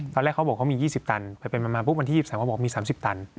ตอนแรกเขาบอกเขามี๒๐ตันไปเป็นมามาบุ๊บวันที่๒๓เขาบอกมี๓๐ตัน